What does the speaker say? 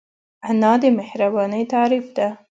انا د مهربانۍ تعریف ده